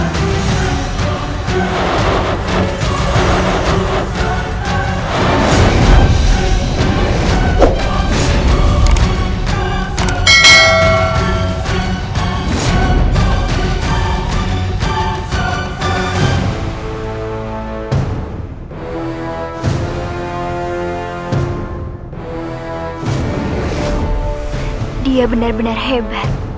dia benar benar hebat